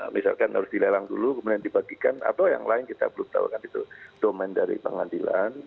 misalkan harus dilelang dulu kemudian dibagikan atau yang lain kita belum tahu kan itu domen dari pengadilan